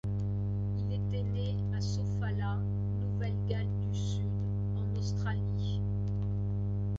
Il était né à Sofala, Nouvelle-Galles du Sud, en Australie.